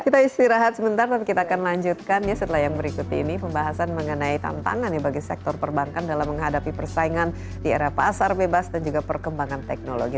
kita istirahat sebentar tapi kita akan lanjutkan ya setelah yang berikut ini pembahasan mengenai tantangan ya bagi sektor perbankan dalam menghadapi persaingan di era pasar bebas dan juga perkembangan teknologi